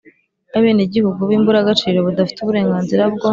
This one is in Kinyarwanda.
abenegihugu b'imburagaciro badafite uburenganzira bwo